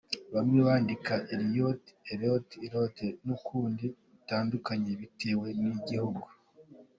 Bamwe bandika Eliot, Eliott, Elliott n’ukundi gutandukanye bitewe n’igihugu.